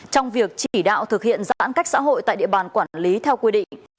trong việc chỉ đạo thực hiện giãn cách xã hội tại địa bàn quản lý theo quy định